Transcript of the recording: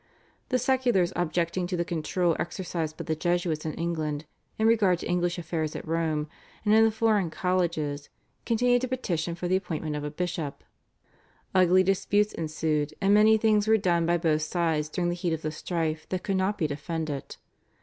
The seculars objecting to the control exercised by the Jesuits in England, in regard to English affairs at Rome, and in the foreign colleges, continued to petition for the appointment of a bishop. Ugly disputes ensued and many things were done by both sides during the heat of the strife that could not be defended.